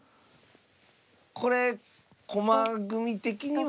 これ駒組み的には？